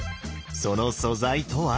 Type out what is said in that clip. その素材とは？